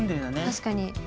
確かに。